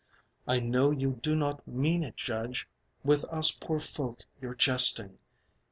I know you do not mean it, judge, With us poor folk you're jesting.